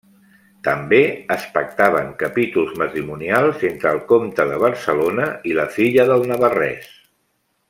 També es pactaven capítols matrimonials entre el comte de Barcelona i la filla del navarrès.